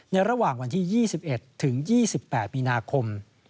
ระหว่างวันที่๒๑ถึง๒๘มีนาคม